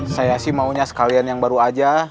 saya sih maunya sekalian yang baru aja